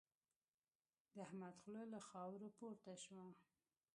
د احمد خوله له خاورو پورته شوه.